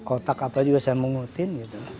kotak apa juga saya mengutin